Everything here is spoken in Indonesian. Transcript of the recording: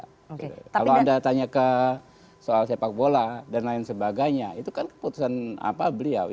kalau anda tanya ke soal sepak bola dan lain sebagainya itu kan keputusan beliau